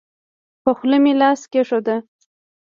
په خوله مې لاس کېښود.